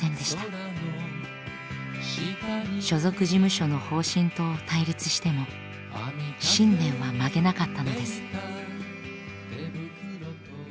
所属事務所の方針と対立しても信念は曲げなかったのです。